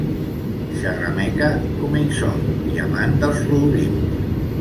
Xerrameca com ell sol, i amant dels rodolins.